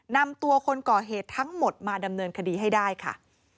นำตัวคนก่อเหตุทั้งหมดมาดำเนินคดีให้ได้ค่ะ